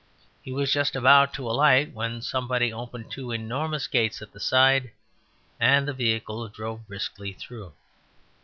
He was just about to alight when somebody opened two enormous gates at the side and the vehicle drove briskly through.